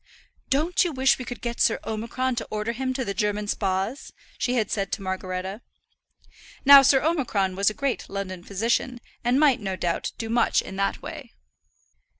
"Don't you wish we could get Sir Omicron to order him to the German Spas?" she had said to Margaretta. Now Sir Omicron was the great London physician, and might, no doubt, do much in that way.